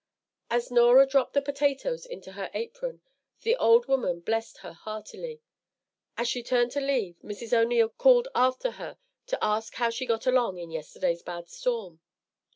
As Norah dropped the potatoes into her apron, the old woman blessed her heartily. As she turned to leave, Mrs. O'Neil called after her to ask how she got along in yesterday's bad storm.